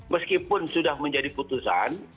meskipun sudah menjadi putusan